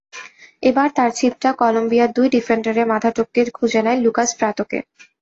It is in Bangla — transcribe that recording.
এবার তাঁর চিপটা কলম্বিয়ার দুই ডিফেন্ডারের মাথা টপকে খুঁজে নেয় লুকাস প্রাত্তোকে।